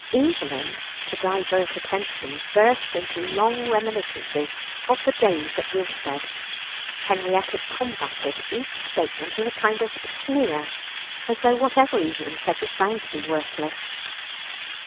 Evelyn, to divert attention, burst into long reminiscences of the days at Willstead. Henrietta combated each statement with a kind of sneer, as though whatever Evelyn said was bound to be worthless.